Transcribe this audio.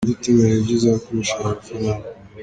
Ntujya uteganya ibyo uzakoresha ayo mafaranga.